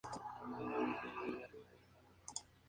Por eso se opera exclusivamente con minibuses.